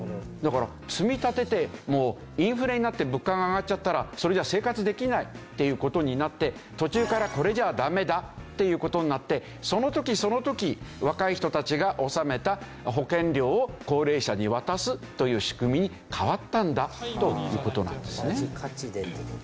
だから積み立ててもインフレになって物価が上がっちゃったらそれじゃ生活できないっていう事になって途中からこれじゃダメだっていう事になってその時その時若い人たちが納めた保険料を高齢者に渡すという仕組みに変わったんだという事なんですね。